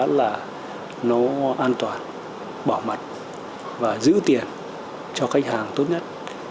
đó là nó an toàn bỏ mặt và giữ tiền cho khách hàng tốt nhất